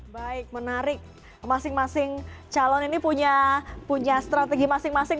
baik menarik masing masing calon ini punya strategi masing masing